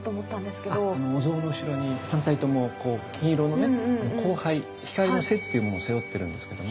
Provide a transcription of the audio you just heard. お像の後ろに３体とも金色のね「光背」光の背っていうものを背負ってるんですけども。